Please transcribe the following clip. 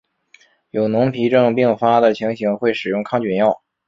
有脓皮症并发的情形会使用抗菌药。